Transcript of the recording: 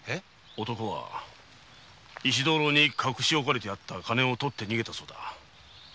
男は石灯籠に隠し置かれてあった金を取って逃げたそうだ。